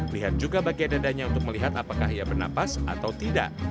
lihat juga bagian dadanya untuk melihat apakah ia bernapas atau tidak